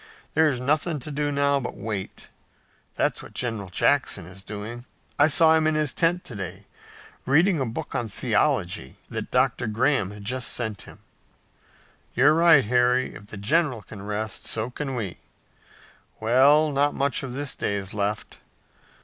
"There's nothing to do now but wait. That's what General Jackson is doing. I saw him in his tent to day, reading a book on theology that Dr. Graham has just sent him." "You're right, Harry. If the general can rest, so can we. Well, not much of this day is left.